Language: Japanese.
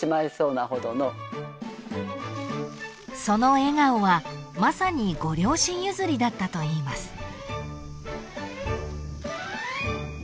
［その笑顔はまさにご両親譲りだったといいます］